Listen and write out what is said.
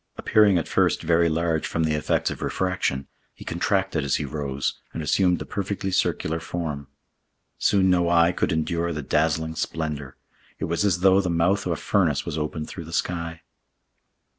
Appearing at first very large from the effects of refraction, he contracted as he rose and assumed the perfectly circular form. Soon no eye could endure the dazzling splendor; it was as though the mouth of a furnace was opened through the sky.